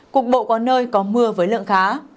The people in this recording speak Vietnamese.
cục bộ có nơi có mưa với lượng khá